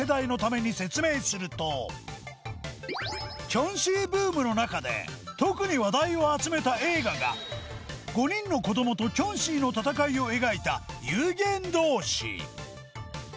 キョンシーブームの中で特に話題を集めた映画が５人の子どもとキョンシーの戦いを描いた『幽幻道士』